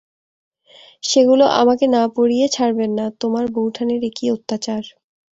সেগুলো আমাকে না পড়িয়ে ছাড়বেন না, তোমার বউঠানের এ কী অত্যাচার।